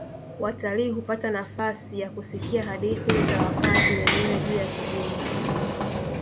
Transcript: Watalii hupata nafasi ya kusikia hadithi za wakazi wenyewe juu ya kijungu